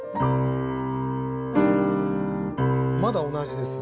まだ同じです。